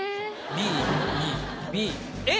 ＢＢＢＡ。